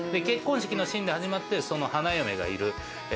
結婚式のシーンで始まってその花嫁がいる。